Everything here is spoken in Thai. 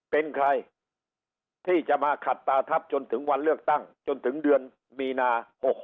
เป็นใครที่จะมาขัดตาทัพจนถึงวันเลือกตั้งจนถึงเดือนมีนา๖๖